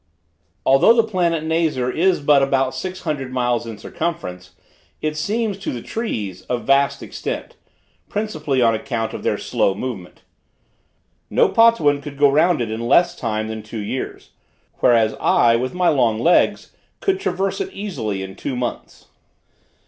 Although the planet Nazar is but about six hundred miles in circumference, it seems, to the trees, of vast extent, principally on account of their slow movement. No Potuan could go round it in less time than two years, whereas, I, with my long legs, could traverse it easily in two months.